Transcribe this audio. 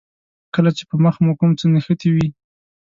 کله چې په مخ مو کوم څه نښتي دي.